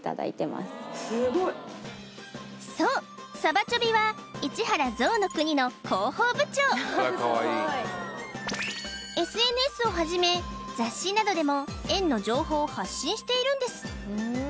すごいそうサバチョビは市原ぞうの国の広報部長ＳＮＳをはじめ雑誌などでも園の情報を発信しているんです